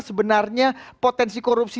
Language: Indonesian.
sebenarnya potensi korupsi